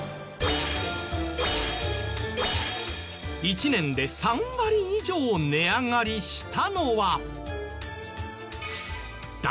一年で３割以上値上がりしたのは。